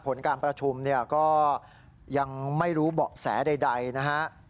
ผลการประชุมก็ยังไม่รู้เบาะแสใดนะครับ